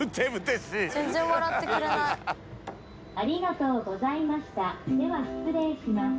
ありがとうございましたでは失礼します。